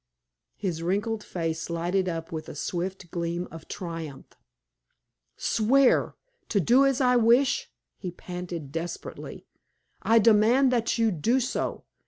His wrinkled face lighted up with a swift gleam of triumph. "Swear to do as I wish!" he panted, desperately. "I demand that you do so.